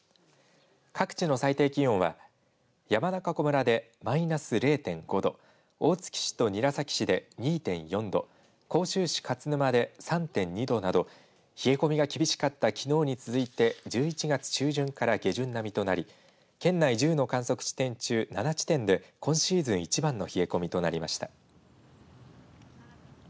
各地の最低気温は山中湖村でマイナス０．５度大月市と韮崎市で２．４度甲州市勝沼で３．２度など冷え込みが厳しかったきのうに続いて１１月中旬から下旬並みとなり県内１０の観測地点中７地点で今シーズン一番の冷え込みとなりました。